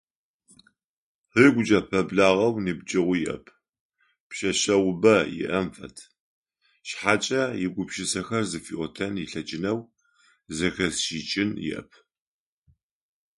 Ыгукӏэ пэблагъэу ныбджэгъу иӏэп, пшъэшъэгъубэ иӏэм фэд, шъхьакӏэ игупшысэхэр зыфиӏотэн ылъэкӏынэу, зэхэзышӏыкӏын иӏэп.